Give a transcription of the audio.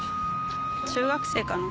中学生かな？